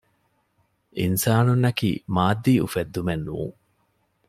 އިންސާނުންނަކީ މާއްދީ އުފެއްދުމެއްނޫން